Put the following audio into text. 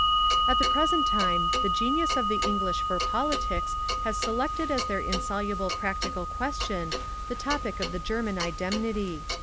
At the present time the genius of the English for politics has selected as their insoluble political question the topic of the German indemnity.